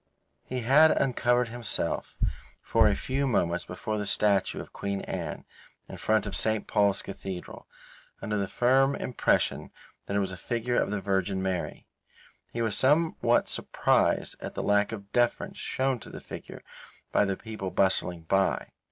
He had uncovered himself for a few moments before the statue of Queen Anne, in front of St. Paul's Cathedral, under the firm impression that it was a figure of the Virgin Mary. He was somewhat surprised at the lack of deference shown to the figure by the people bustling by.